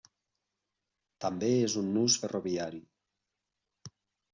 També és un nus ferroviari.